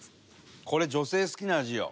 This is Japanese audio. これ女性好きな味よ。